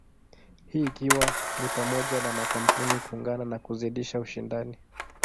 Hii ikiwa ni pamoja na makampuni kuungana na kuzidisha ushindani.